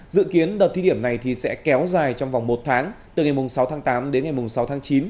dự kiến đợt thi điểm này sẽ kéo dài trong vòng một tháng từ ngày sáu tháng tám đến ngày sáu tháng chín